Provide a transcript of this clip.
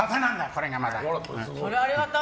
これがまた！